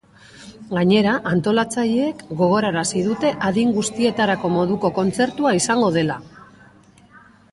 Gainera, antolatzaileek gogorarazi dute adin guztietarako moduko kontzertua izango dela.